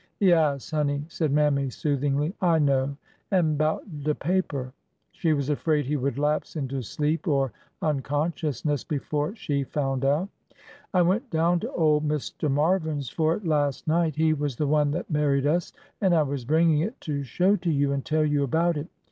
'' Yaas, honey,'' said Mammy, soothingly; 1 know. An' 'bout de paper—'' She was afraid he would lapse into sleep or unconsciousness before she found out. " I went down to old Mr. Marvin's for it last night, — he was the one that married us, — and I was bringing it to show to you and tell you about it.